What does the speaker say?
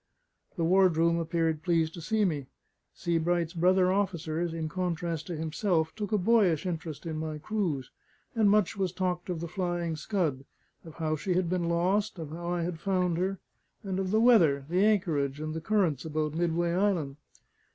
The ward room appeared pleased to see me; Sebright's brother officers, in contrast to himself, took a boyish interest in my cruise; and much was talked of the Flying Scud; of how she had been lost, of how I had found her, and of the weather, the anchorage, and the currents about Midway Island.